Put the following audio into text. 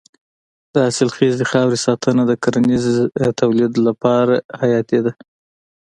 د حاصلخیزې خاورې ساتنه د کرنیزې تولید لپاره حیاتي ده.